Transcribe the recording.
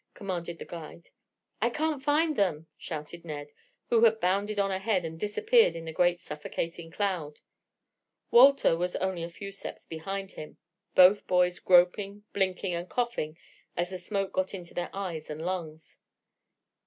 commanded the guide. "I can't find them!" shouted Ned, who had bounded on ahead and disappeared in the great suffocating cloud. Walter was only a few steps behind him, both boys groping, blinking and coughing as the smoke got into eyes and lungs.